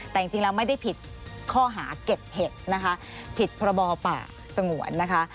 แต่จริงแล้วไม่ได้ผิดข้อหาเก็บเห็ดนะคะผิดพรบป่าสงวนนะคะ